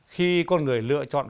khi con người lựa chọn